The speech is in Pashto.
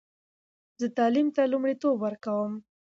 زه تعلیم ته لومړیتوب ورکوم.